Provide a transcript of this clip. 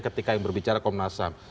ketika yang berbicara komnas ham